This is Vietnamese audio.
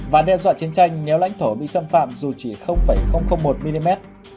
và đe dọa chiến tranh nếu lãnh thổ bị xâm phạm dù chỉ một mm